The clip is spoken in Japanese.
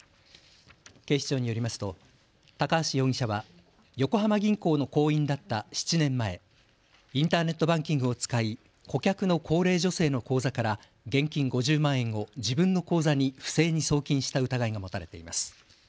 警視庁によりますと高橋容疑者は横浜銀行の行員だった７年前、インターネットバンキングを使い顧客の高齢女性の口座から現金５０万円を自分の口座に不正に送金した疑いが持たれています。